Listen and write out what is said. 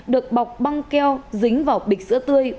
được bọc băng keo dính vào bịch sữa tươi